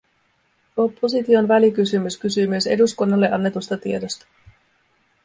Opposition välikysymys kysyy myös eduskunnalle annetusta tiedosta.